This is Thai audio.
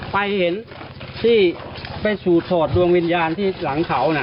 ไปเห็นที่ไปสู่ถอดดวงวิญญาณที่หลังเขาน่ะ